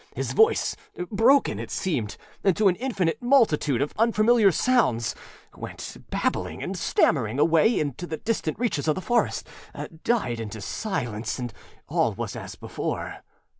His voice broken, it seemed, into an infinite multitude of unfamiliar sounds, went babbling and stammering away into the distant reaches of the forest, died into silence, and all was as before.